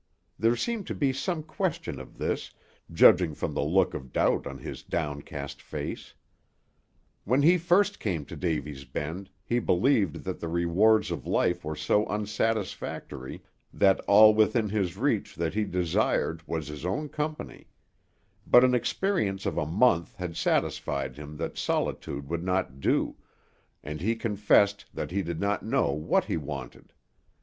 There seemed to be some question of this, judging from the look of doubt on his downcast face. When he first came to Davy's Bend, he believed that the rewards of life were so unsatisfactory that all within his reach that he desired was his own company; but an experience of a month had satisfied him that solitude would not do, and he confessed that he did not know what he wanted.